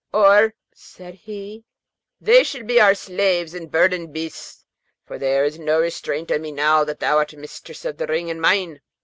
'Or,' said he, 'they shall be our slaves and burden beasts, for there 's now no restraint on me, now thou art mistress of the ring, and mine.'